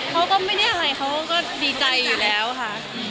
เขาก็ไม่ได้อะไรเขาก็ดีใจอยู่แล้วค่ะ